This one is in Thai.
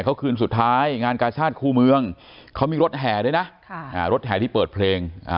เขาคืนสุดท้ายงานกาชาติคู่เมืองเขามีรถแห่ด้วยนะรถแห่ที่เปิดเพลง